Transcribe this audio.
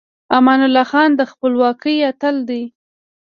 امان الله خان د خپلواکۍ اتل دی.